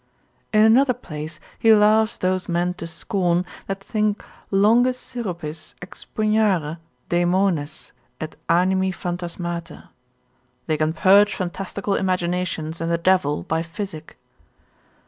In another place he laughs those men to scorn, that think longis syrupis expugnare daemones et animi phantasmata, they can purge fantastical imaginations and the devil by physic.